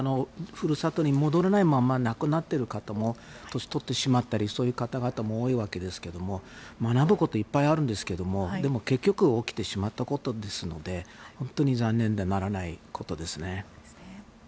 ふるさとに戻れないまま亡くなっている方も年取ってしまったりそういう方々も多いわけですけれども学ぶこといっぱいあるんですが結局起きてしまったことですので本当に残念でならないことですね。